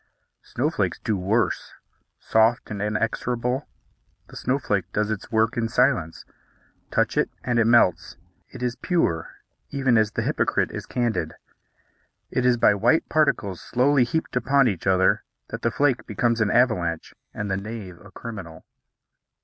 Snowflakes do worse: soft and inexorable, the snowflake does its work in silence; touch it, and it melts. It is pure, even as the hypocrite is candid. It is by white particles slowly heaped upon each other that the flake becomes an avalanche and the knave a criminal.